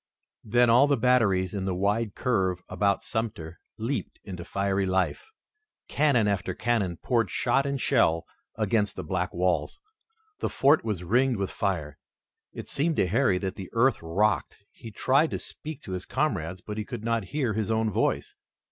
Then all the batteries in the wide curve about Sumter leaped into fiery life. Cannon after cannon poured shot and shell against the black walls. The fort was ringed with fire. It seemed to Harry that the earth rocked. He tried to speak to his comrades, but he could not hear his own voice.